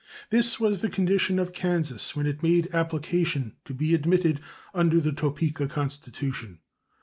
This was the condition of Kansas when it made application to be admitted under the Topeka constitution.